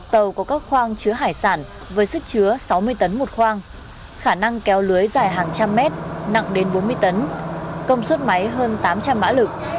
tàu có các khoang chứa hải sản với sức chứa sáu mươi tấn một khoang khả năng kéo lưới dài hàng trăm mét nặng đến bốn mươi tấn công suất máy hơn tám trăm linh mã lực